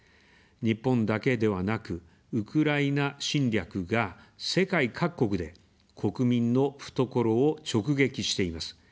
日本だけではなく、ウクライナ侵略が世界各国で国民の懐を直撃しています。